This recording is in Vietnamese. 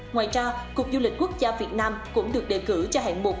ngoài ra cục du lịch quốc gia việt nam cũng được đề cử cho hạng mục